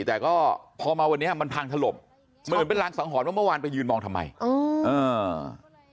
แต่ก็พอมาวันนี้มันพังถล่มเหมือนเป็นรางสังหรณ์ว่าเมื่อวานไปยืนมองทำไมอืมอ่า